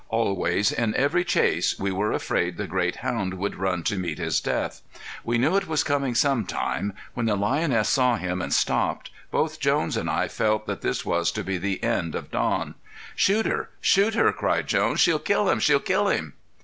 Always, in every chase, we were afraid the great hound would run to meet his death. We knew it was coming sometime. When the lioness saw him and stopped, both Jones and I felt that this was to be the end of Don. "Shoot her! Shoot her!" cried Jones. "She'll kill him! She'll kill him!"